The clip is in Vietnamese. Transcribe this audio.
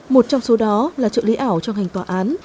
một trong số đó là trợ lý ảo trong ngành tòa án